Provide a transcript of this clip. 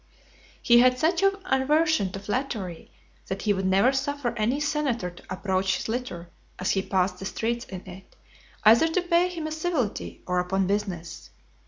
XXVII. He had such an aversion to flattery, that he would never suffer any senator to approach his litter, as he passed the streets in it, either to pay him a civility, or upon business.